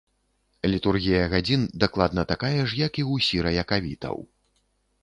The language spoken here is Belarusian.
Літургія гадзін дакладна такая ж, як і ў сіра-якавітаў.